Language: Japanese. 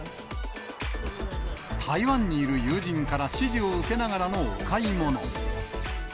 台湾にいる友人から指示を受けながらのお買い物。